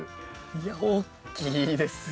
いや大きいですよ。